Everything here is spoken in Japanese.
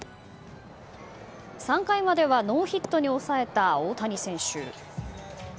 ３回まではノーヒットに抑えた大谷選手。